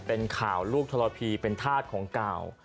เป็นข่าวลูกท้ารพีเป็นทาสของกาว